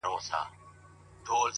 د قاتل لوري ته دوې سترگي نیولي-